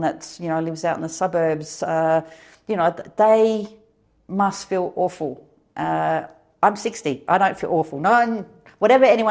dan saya bisa melihat bagaimana